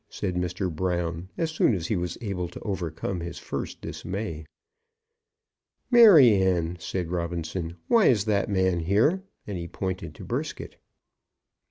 said Mr. Brown, as soon as he was able to overcome his first dismay. "Maryanne," said Robinson, "why is that man here?" and he pointed to Brisket.